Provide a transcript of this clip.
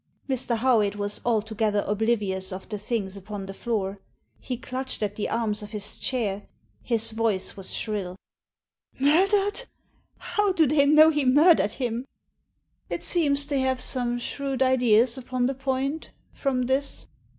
Mr. Howitt was altogether oblivious of the things upon the floor. He clutched at the arms of his chair. His voice was shrill. "Murdered! How do they know he murdered him?" " It seems they have some shrewd ideas upon the point, from this."